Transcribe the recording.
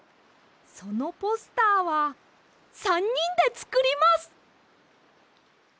そのポスターは３にんでつくります！